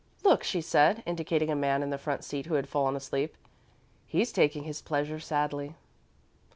"Look," she said, indicating a man in the front seat who had fallen asleep. "He's taking his pleasure sadly."